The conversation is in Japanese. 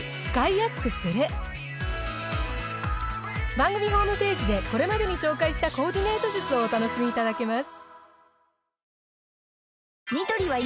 番組ホームページでこれまでに紹介したコーディネート術をお楽しみいただけます。